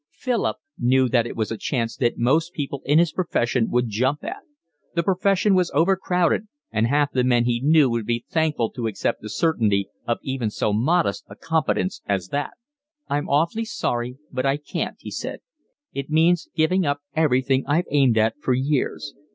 Philip knew it was a chance that most people in his profession would jump at; the profession was over crowded, and half the men he knew would be thankful to accept the certainty of even so modest a competence as that. "I'm awfully sorry, but I can't," he said. "It means giving up everything I've aimed at for years.